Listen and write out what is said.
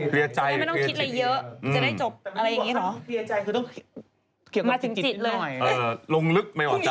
เออลงลึกไม่ว่าใจ